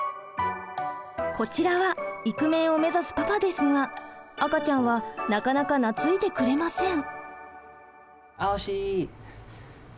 こちらはイクメンを目指すパパですが赤ちゃんはなかなか懐いてくれません。